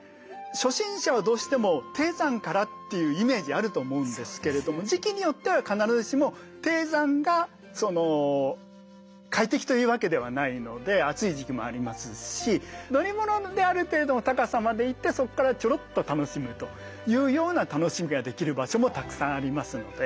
初心者はどうしても低山からというイメージあると思うんですけれども時期によっては必ずしも低山が快適というわけではないので暑い時期もありますし乗り物である程度の高さまで行ってそこからちょろっと楽しむというような楽しみができる場所もたくさんありますので。